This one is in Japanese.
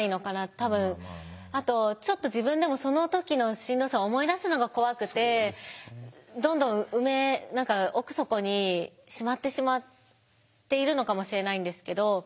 多分あとちょっと自分でもその時のしんどさを思い出すのが怖くてどんどん埋め何か奥底にしまってしまっているのかもしれないんですけど。